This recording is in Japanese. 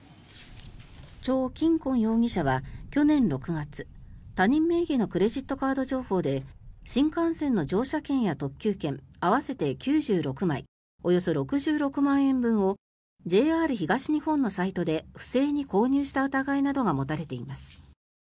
チョウ・キンコン容疑者は去年６月他人名義のクレジットカード情報で新幹線の乗車券や特急券合わせて９６枚およそ６６万円分をＪＲ東日本のサイトで不正に購入した疑いなどが持たれています。